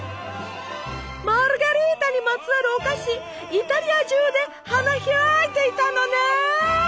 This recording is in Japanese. マルゲリータにまつわるお菓子イタリア中で花開いていたのね！